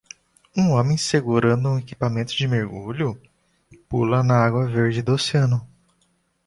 Um homem segurando equipamento de mergulho? pula na água verde do oceano.